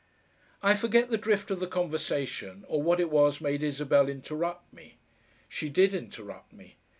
I forget the drift of the conversation, or what it was made Isabel interrupt me. She did interrupt me.